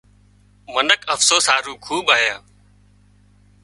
منک افسوس هارو کوٻ آيان